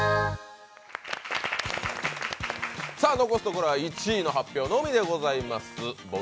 残すところは、１位の発表のみでございます。